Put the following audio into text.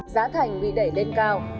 giá thành bị đẩy lên cao